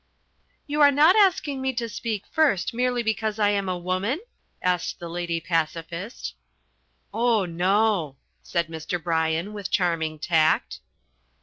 "You are not asking me to speak first merely because I am a woman?" asked The Lady Pacifist. "Oh no," said Mr. Bryon, with charming tact.